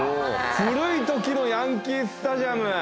古いときのヤンキー・スタジアム。